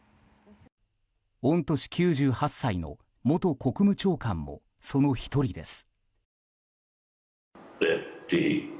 御年９８歳の元国務長官もその１人です。